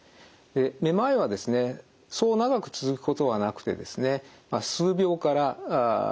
めまいはですねそう長く続くことはなくてですね